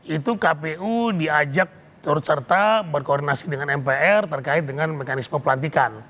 itu kpu diajak turut serta berkoordinasi dengan mpr terkait dengan mekanisme pelantikan